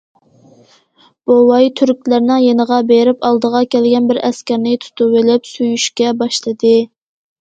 بوۋاي تۈركلەرنىڭ يېنىغا بېرىپ ئالدىغا كەلگەن بىر ئەسكەرنى تۇتۇۋېلىپ سۆيۈشكە باشلىدى.